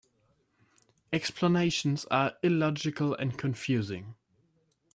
Explanations are illogical and confusing.